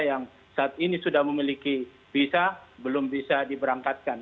yang saat ini sudah memiliki visa belum bisa diberangkatkan